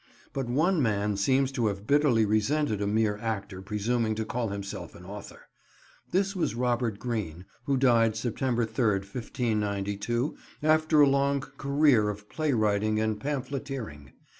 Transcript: But one man seems to have bitterly resented a mere actor presuming to call himself an author. This was Robert Greene, who died Sept. 3rd, 1592, after a long career of play writing and pamphleteering.